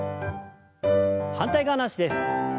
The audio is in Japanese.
反対側の脚です。